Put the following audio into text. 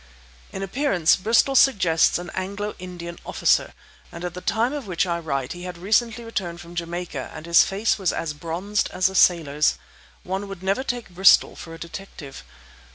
In appearance Bristol suggests an Anglo Indian officer, and at the time of which I write he had recently returned from Jamaica and his face was as bronzed as a sailor's. One would never take Bristol for a detective.